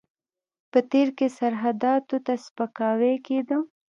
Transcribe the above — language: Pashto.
په تېر کې سرحداتو ته سپکاوی کېده.